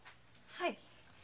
はい。